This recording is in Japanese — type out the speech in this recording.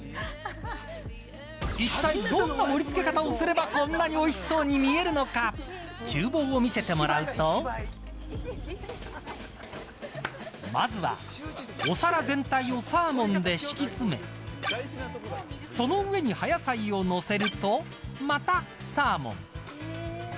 いったいどんな盛り付け方をすればこんなにおいしそうに見えるのかまずはお皿全体をサーモンで敷き詰めその上に、葉野菜を乗せるとまたサーモン。